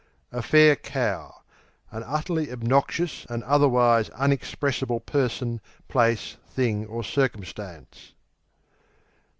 A fair cow An utterly obnoxious and otherwise unexpressible person, place, thing, or circumstance.